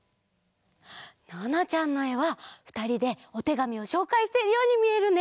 ななちゃんのえはふたりでおてがみをしょうかいしているようにみえるね！